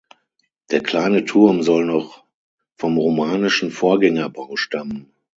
Der kleine Turm soll noch vom romanischen Vorgängerbau stammen.